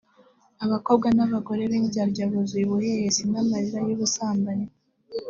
abakobwa n’abagore b’indyarya buzuye ubuhehesi n’amarari y’ubusambanyi